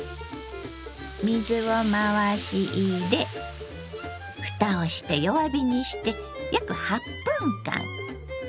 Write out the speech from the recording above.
水を回し入れ蓋をして弱火にして約８分間。